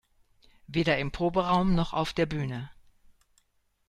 Weder im Proberaum noch auf der Bühne.